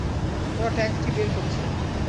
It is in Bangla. ওরা ট্যাঙ্কটি বের করছে।